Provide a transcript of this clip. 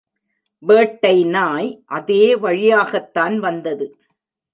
வேட்டை நாய் அதே வழியாகத்தான் வந்தது.